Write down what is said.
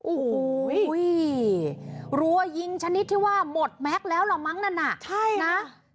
โอ้โหรัวยิงชนิดที่ว่าหมดแม็กซ์แล้วล่ะมั้งนั่นน่ะใช่นะ